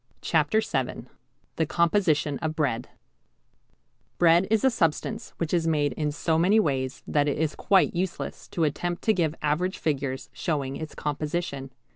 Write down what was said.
CHAPTER VII THE COMPOSITION OF BREAD Bread is a substance which is made in so many ways that it is quite useless to attempt to give average figures showing its composition.